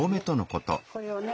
これをね